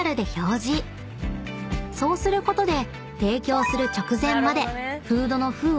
［そうすることで］